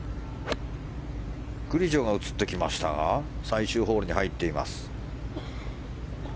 グリジョが映ってきましたが最終ホールに入っています。